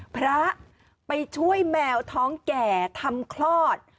พระไปช่วยแมวท้องแก่ทำคลอด